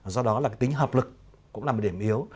do đó tính hợp lực cũng là một điểm yếu